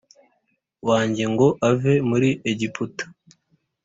wanjye ngo ave muri Egiputa